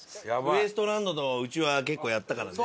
ウエストランドとうちは結構やったからね。